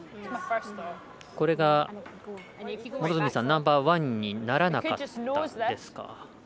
これがナンバーワンにならなかったですか。